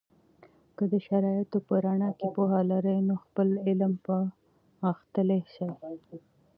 که د شرایطو په رڼا کې پوهه لرئ، نو خپل علم به غښتلی سي.